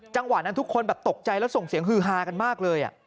จังหวะนั้นทุกคนแบบตกใจแล้วส่งเสียงฮือฮากันมากเลย